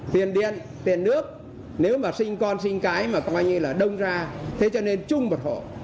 tiền điện tiền nước nếu mà sinh con sinh cái mà coi như là đông ra thế cho nên chung một hộ